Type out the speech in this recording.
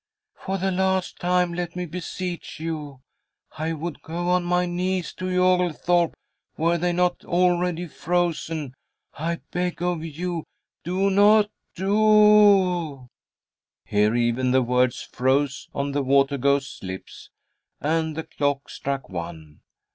"For the last time let me beseech you. I would go on my knees to you, Oglethorpe, were they not already frozen. I beg of you do not doo " Here even the words froze on the water ghost's lips and the clock struck one.